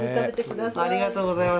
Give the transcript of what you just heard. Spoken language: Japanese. ありがとうございます。